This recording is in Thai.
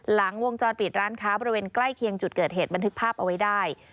หลังวงจรปิดร้านค้าบริเวณใกล้เคียงจุดเกิดเหตุบันทึกภาพเอาไว้ได้